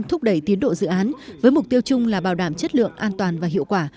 thúc đẩy tiến độ dự án với mục tiêu chung là bảo đảm chất lượng an toàn và hiệu quả